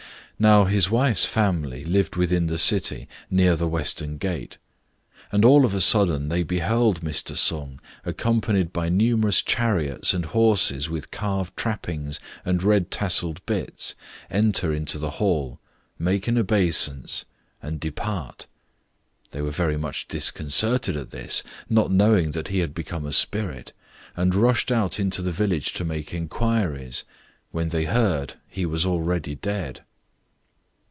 Now his wife's family lived within the city, near the western gate; and all of a sudden they beheld Mr. Sung, accompanied by numerous chariots and horses with carved trappings and red tasselled bits, enter into the hall, make an obeisance, and depart. They were very much disconcerted at this, not knowing that he had become a spirit, and rushed out into the village to make inquiries, when they heard he was already dead.